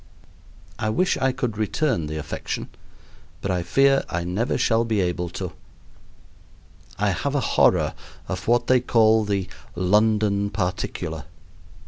I wish I could return the affection, but I fear I never shall be able to. I have a horror of what they call the "London particular."